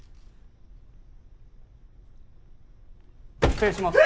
失礼します。